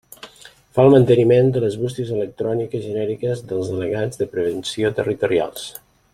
Fa el manteniment de les bústies electròniques genèriques dels delegats de prevenció territorials.